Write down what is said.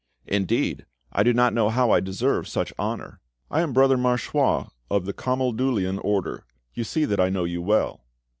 "Indeed, I do not know how I deserve so much honour." "I am, Brother Marchois, of the Camaldulian order. You see that I know you well."